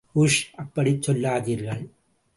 உஷ் அப்படிச் சொல்லாதீர்கள்.